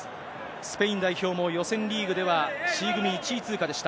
スペイン代表も予選リーグでは、Ｃ組１位通過でした。